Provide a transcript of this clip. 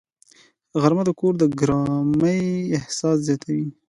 غرمه د کور د ګرمۍ احساس زیاتوي